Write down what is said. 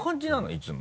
いつも。